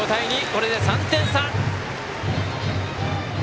これで３点差。